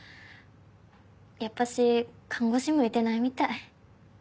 やっぱし看護師向いてないみたい。